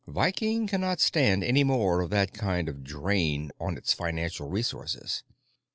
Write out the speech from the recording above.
Viking cannot stand any more of that kind of drain on its financial resources.